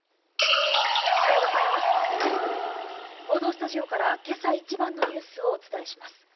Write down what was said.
報道スタジオからけさ一番のニュースをお伝えします。